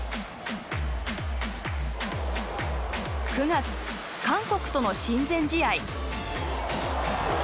９月、韓国との親善試合。